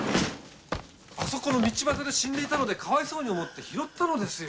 あそこの道端で死んでいたのでかわいそうに思って拾ったのですよ。